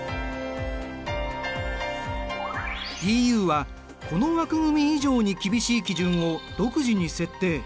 ＥＵはこの枠組み以上に厳しい基準を独自に設定。